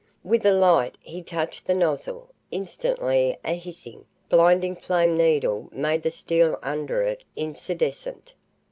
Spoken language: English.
With a light he touched the nozzle. Instantly a hissing, blinding flame needle made the steel under it incandescent.